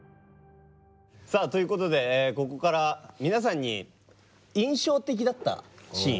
さあということでここから皆さんに印象的だったシーン。